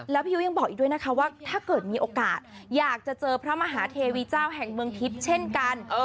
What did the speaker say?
แล้วพี่ยุ้ยยังบอกอีกด้วยนะคะว่าถ้าเกิดมีโอกาสอยากจะเจอพระมหาเทวีเจ้าแห่งเมืองทิพย์เช่นกัน